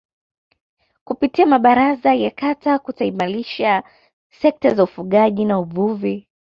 kupitia mabaraza ya Kata kutaimarisha sekta za ufugaji na uvuvi